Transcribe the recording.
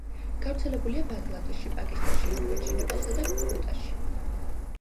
გავრცელებულია ბანგლადეშში პაკისტანში, ინდოეთში, ნეპალსა და ბჰუტანში.